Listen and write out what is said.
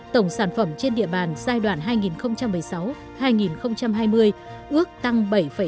tổng sản phẩm trên địa bàn giai đoạn hai nghìn một mươi sáu hai nghìn hai mươi ước tăng bảy ba mươi chín